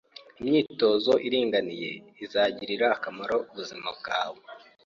Imyitozo iringaniye izagirira akamaro ubuzima bwawe.